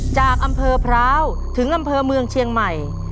จากอำเภอพร้าวถึงอำเภอเมืองเชียงใหม่